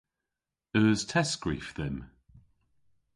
Eus testskrif dhymm?